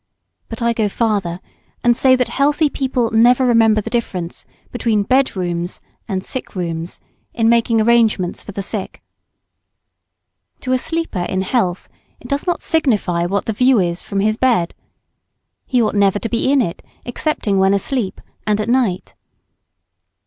But I go farther, and say, that healthy people never remember the difference between bed rooms and sick rooms in making arrangements for the sick. To a sleeper in health it does not signify what the view is from his bed. He ought never to be in it excepting when asleep, and at night.